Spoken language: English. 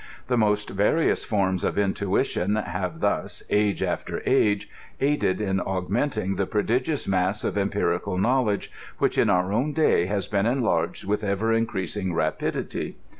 The most various forms of intuition have thus, age after age, aided in augmenting the prodigious mass, of empirical knowledge, which in our own day has been enlarged with ever increasing rapidity.